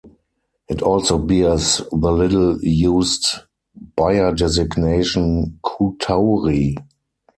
It also bears the little-used Bayer designation "q Tauri".